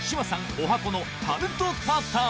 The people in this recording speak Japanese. おはこのタルトタタン